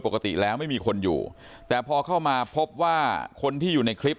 ปกติแล้วไม่มีคนอยู่แต่พอเข้ามาพบว่าคนที่อยู่ในคลิป